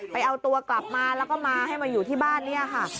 ไปเอาตัวกลับมาแล้วก็มาให้มาอยู่ที่บ้านเนี่ยค่ะ